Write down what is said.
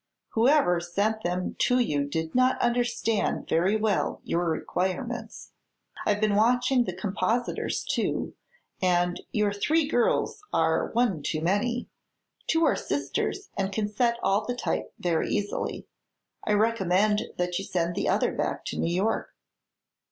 Whoever sent them to you did not understand very well your requirements. I've been watching the compositors, too, and your three girls are one too many. Two are sisters, and can set all the type very easily. I recommend that you send the other back to New York."